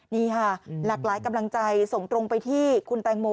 นี่ค่ะหลากหลายกำลังใจส่งตรงไปที่คุณแตงโม